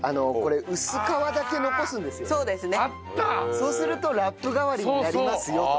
そうするとラップ代わりになりますよと。